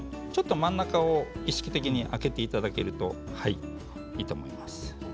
真ん中を意識的に空けていただくといいと思います。